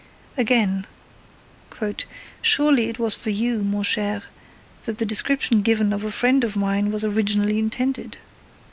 Again: Surely it was for you, mon cher, that the description given of a friend of mine was originally intended.